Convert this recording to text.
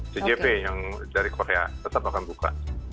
cjp yang dari korea tetap akan buka